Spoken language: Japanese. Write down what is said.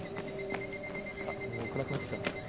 もう暗くなってきちゃった。